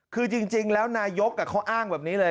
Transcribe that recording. คือจริงแล้วนายกเขาอ้างแบบนี้เลย